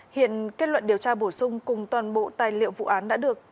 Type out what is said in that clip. hiện kết luận điều tra bổ sung cùng toàn bộ tài liệu vụ án đã được